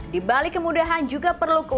di balik kemudahan juga perlu kekuatan